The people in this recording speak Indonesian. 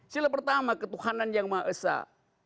sila pertama ketuhanan yang ma'esah